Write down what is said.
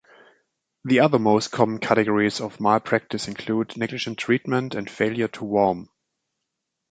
The other most common categories of malpractice include negligent treatment and failure to warm.